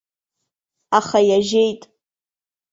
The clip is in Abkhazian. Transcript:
Аха иажьеит.